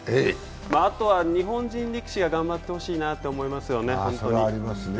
あとは日本人力士が頑張ってほしいなと思いますね。